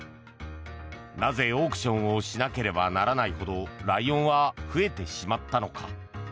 なぜオークションをしなければならないほどライオンは増えてしまったのか。